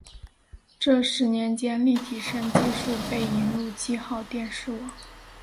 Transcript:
这十年间立体声技术被引入七号电视网。